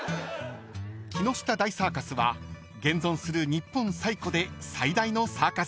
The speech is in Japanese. ［木下大サーカスは現存する日本最古で最大のサーカス団］